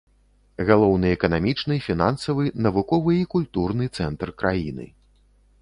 Галоўны эканамічны, фінансавы, навуковы і культурны цэнтр краіны.